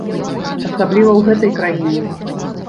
Асабліва ў гэтай краіне!